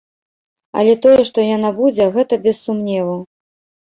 Але тое, што яна будзе, гэта без сумневу.